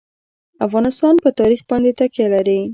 افغانستان په تاریخ باندې تکیه لري.